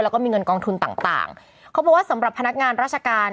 แล้วก็มีเงินกองทุนต่างต่างเขาบอกว่าสำหรับพนักงานราชการ